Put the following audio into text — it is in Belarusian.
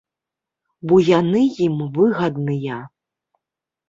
Бо яны ім выгадныя.